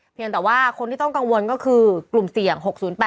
เพียงแต่ว่าคนที่ต้องกังวลก็คือกลุ่มเสี่ยง๖๐๘